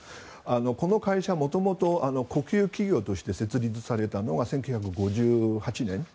この会社、元々国有企業として設立されたのが１９５８年。